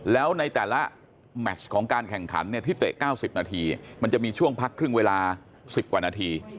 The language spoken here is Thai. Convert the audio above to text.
แล้วในแต่ละแมชของการแข่งขันที่เตะ๙๐นาทีมันจะมีช่วงพักครึ่งเวลา๑๐กว่านาที